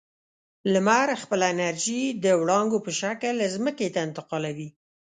لمر خپله انرژي د وړانګو په شکل ځمکې ته انتقالوي.